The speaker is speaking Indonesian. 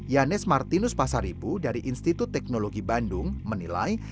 yanes martinus pasaribu dari institut teknologi bandung menilai